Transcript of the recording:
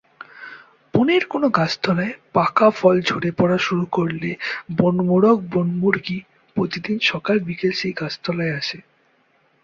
বনের কোনো গাছতলায় পাকা ফল ঝরে পড়া শুরু করলে বনমোরগ-বনমুরগী প্রতিদিন সকাল-বিকাল সেই গাছতলায় আসে।